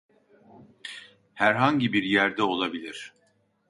Herhangi bir yerde olabilir.